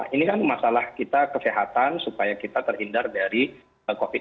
ini kan masalah kita kesehatan supaya kita terhindar dari covid sembilan